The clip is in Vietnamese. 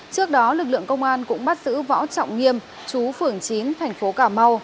trước đó lực lượng công an cũng bắt giữ võ trọng nghiêm chú phường chín thành phố cà mau